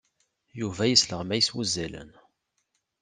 Yuba yesleɣmay s wuzzalen.